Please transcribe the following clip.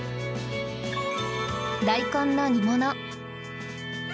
大根の煮物